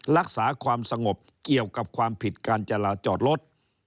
รักษาความสงบเกี่ยวกับความผิดการจราจอดรถ